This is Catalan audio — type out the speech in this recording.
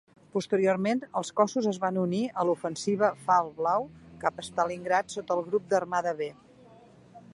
Posteriorment, els cossos es van unir a l"ofensiva "Fall Blau" cap a Stalingrad sota el Grup d"armada B.